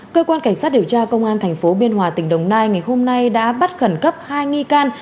cơ quan cảnh sát điều tra công an tp biên hòa tỉnh đồng nai ngày hôm nay đã bắt khẩn cấp hai nghi can